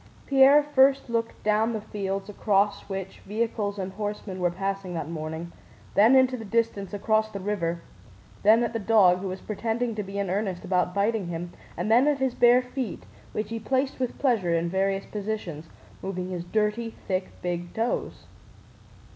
Pierre first looked down the field across which vehicles and horsemen were passing that morning, then into the distance across the river, then at the dog who was pretending to be in earnest about biting him, and then at his bare feet which he placed with pleasure in various positions, moving his dirty thick big toes.